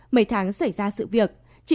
mấy tháng xảy ra sự việc